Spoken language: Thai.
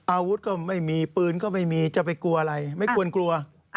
อาวุธก็ไม่มีปืนก็ไม่มีจะไปกลัวอะไรไม่ควรกลัว